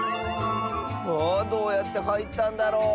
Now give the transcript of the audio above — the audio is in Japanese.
あどうやってはいったんだろう。